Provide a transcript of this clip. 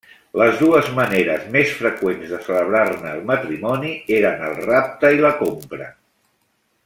Les dues maneres més freqüents de celebrar-ne el matrimoni eren el rapte i la compra.